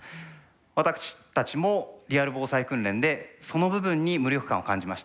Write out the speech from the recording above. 私たちもリアル防災訓練でその部分に無力感を感じました。